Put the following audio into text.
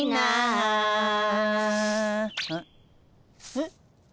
えっ。